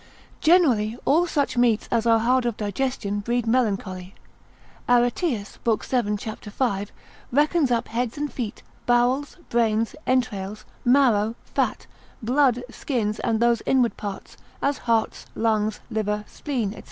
Generally, all such meats as are hard of digestion breed melancholy. Areteus, lib. 7. cap. 5, reckons up heads and feet, bowels, brains, entrails, marrow, fat, blood, skins, and those inward parts, as heart, lungs, liver, spleen, &c.